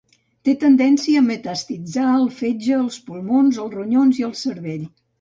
Té tendència a metastatitzar el fetge, els pulmons, els ronyons i el cervell.